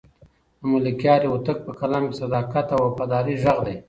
د ملکیار هوتک په کلام کې د صداقت او وفادارۍ غږ دی.